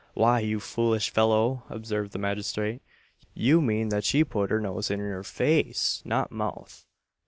"Why, you foolish fellow," observed the magistrate, "you mean that she put her nose in your face not mouth."